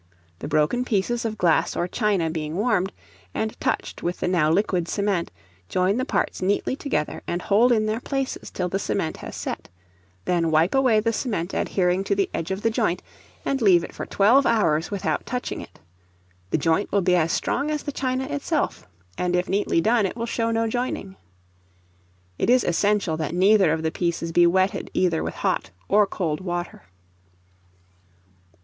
The broken pieces of glass or china being warmed, and touched with the now liquid cement, join the parts neatly together, and hold in their places till the cement has set; then wipe away the cement adhering to the edge of the joint, and leave it for twelve hours without touching it: the joint will be as strong as the china itself, and if neatly done, it will show no joining. It is essential that neither of the pieces be wetted either with hot or cold water.